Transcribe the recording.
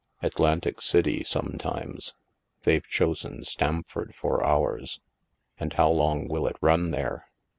Atlantic City, some times. They've chosen Stamford for ours." "And how long will it run there?"